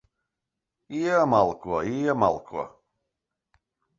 Iemalko. Iemalko.